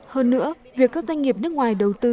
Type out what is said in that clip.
hơn nữa việc các doanh nghiệp nước ngoài đầu tư